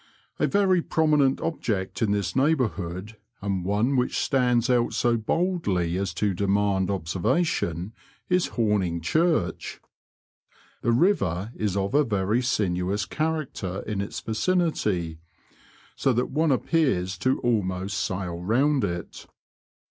A very prominent abject in this neighbourhood, and one which stands out so boldly as to demand observation, is Homing Church. The river is of a very sinuous character in its vicinity, so that one appears almost to sail round it.